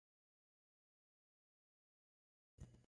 where should I park?